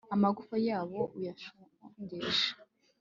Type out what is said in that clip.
amagufa yabo uyashongeshe